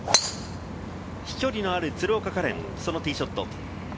飛距離のある鶴岡果恋、そのティーショット。